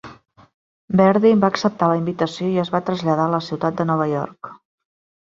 Verdy va acceptar la invitació i es va traslladar a la ciutat de Nova York.